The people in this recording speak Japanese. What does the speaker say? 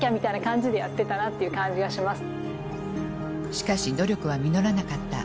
しかし努力は実らなかった。